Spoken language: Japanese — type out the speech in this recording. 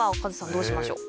どうしましょう？